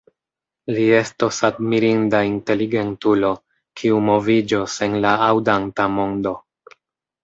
Li estos admirinda inteligentulo, kiu moviĝos en la aŭdanta mondo.